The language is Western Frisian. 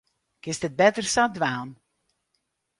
Kinst it better sa dwaan.